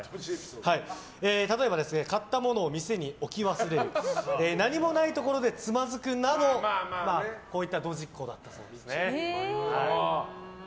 例えば買った物を店に置き忘れる何もないところでつまずくなどこういったドジっ子だったそうです。